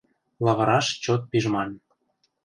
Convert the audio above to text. Лавыраш чот пижман...